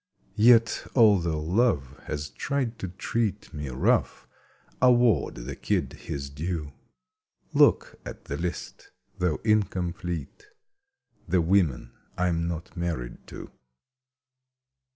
Yet although Love has tried to treat Me rough, award the kid his due. Look at the list, though incomplete: The women I'm not married to.